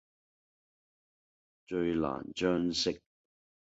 最難將息。